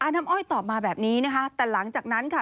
น้ำอ้อยตอบมาแบบนี้นะคะแต่หลังจากนั้นค่ะ